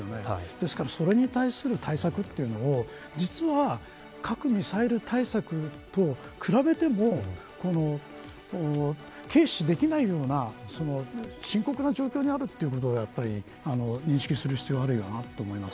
ですからそれに対する対策というのを実は、核ミサイル対策と比べても軽視できないような深刻な状況にあるということを認識する必要があると思います。